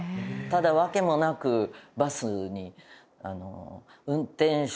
ただ訳もなくバスに。